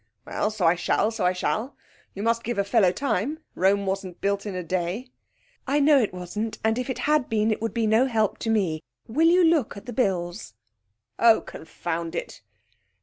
'Well, so I shall, so I shall. You must give a fellow time. Rome wasn't built in a day.' 'I know it wasn't, and if it had been it would be no help to me. Will you look at the bills?' 'Oh, confound it!'